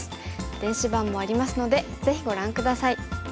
電子版もありますのでぜひご覧下さい。